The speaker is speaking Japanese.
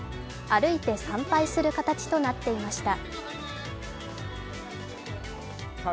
歩いて参拝する形となっていました。